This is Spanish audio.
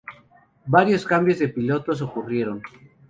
Varios cambios de pilotos ocurrieron.